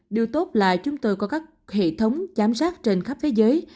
điều tốt là chúng tôi có các hệ thống giám sát trên khắp thế giới